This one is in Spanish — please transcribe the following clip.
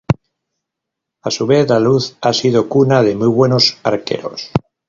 A su vez, La Luz ha sido cuna de muy buenos arqueros.